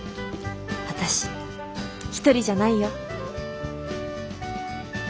私一人じゃないよ。